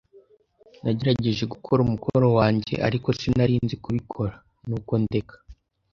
Nagerageje gukora umukoro wanjye, ariko sinari nzi kubikora, nuko ndeka.